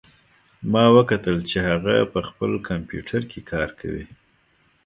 ما وکتل چې هغه په خپل کمپیوټر کې کار کوي